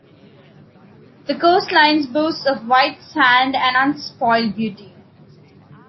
The coast lines boasts of white sand and unspoiled beauty.